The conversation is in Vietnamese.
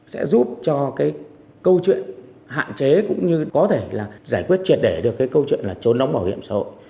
sẽ giúp cho cái câu chuyện hạn chế cũng như có thể là giải quyết triệt để được cái câu chuyện là trốn đóng bảo hiểm xã hội